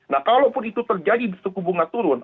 nah kalaupun itu terjadi suku bunga turun